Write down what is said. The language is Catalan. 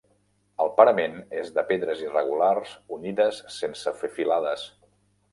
El parament és de pedres irregulars unides sense fer filades.